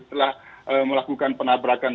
telah melakukan penabrakan